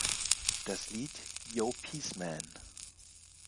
Das Lied "Yo, Peace Man!